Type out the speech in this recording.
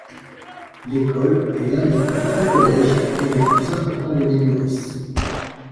L'école est l'un des plus grands collèges et les plus importants de l'île Maurice.